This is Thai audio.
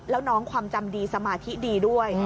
แล้วน้องความจำดีสมาธิดีด้วย